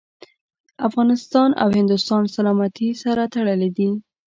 د افغانستان او هندوستان سلامتي سره تړلي دي.